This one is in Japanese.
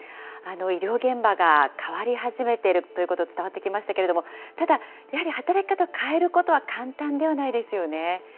医療現場が変わり始めているということは伝わってきましたけれどもただ、やはり働き方を変えることは簡単ではないですよね。